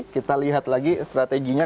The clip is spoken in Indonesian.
kita lihat lagi strateginya